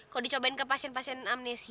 kalau dicobain ke pasien pasien amnesti